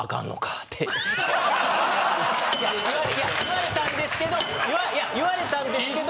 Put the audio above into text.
いや言われたんですけどいや言われたんですけど。